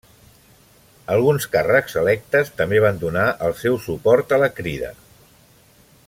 Alguns càrrecs electes també van donar el seu suport a la crida.